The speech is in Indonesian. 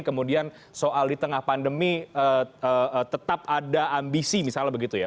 kemudian soal di tengah pandemi tetap ada ambisi misalnya begitu ya